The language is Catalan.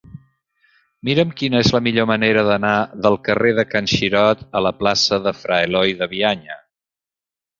Mira'm quina és la millor manera d'anar del carrer de Can Xirot a la plaça de Fra Eloi de Bianya.